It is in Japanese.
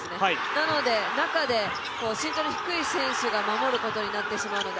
なので、中で身長の低い選手が守ることになってしまうので、